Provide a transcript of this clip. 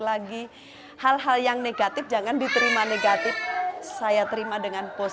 aimi sesuai dengan tarian nama kristi tersebut